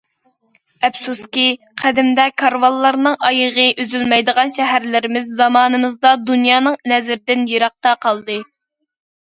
ئەپسۇسكى، قەدىمدە كارۋانلارنىڭ ئايىغى ئۈزۈلمەيدىغان شەھەرلىرىمىز زامانىمىزدا دۇنيانىڭ نەزىرىدىن يىراقتا قالدى.